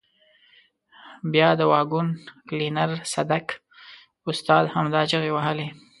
بیا د واګون کلینر صدک استاد همدا چیغې وهلې.